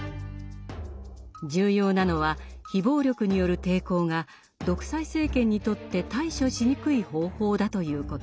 重要なのは非暴力による抵抗が独裁政権にとって対処しにくい方法だということ。